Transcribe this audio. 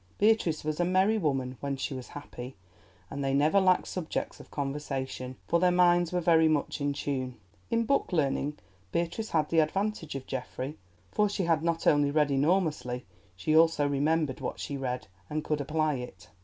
Beatrice was a merry woman when she was happy, and they never lacked subjects of conversation, for their minds were very much in tune. In book learning Beatrice had the advantage of Geoffrey, for she had not only read enormously, she also remembered what she read and could apply it.